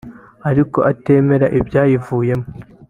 ariko atemera ibyayivuyemo